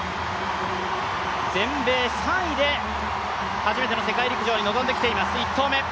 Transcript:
全米３位で初めての世界陸上に臨んできています。